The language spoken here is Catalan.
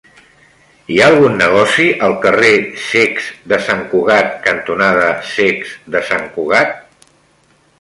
Hi ha algun negoci al carrer Cecs de Sant Cugat cantonada Cecs de Sant Cugat?